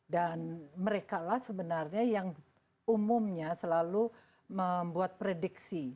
dan mereka lah sebenarnya yang umumnya selalu membuat prediksi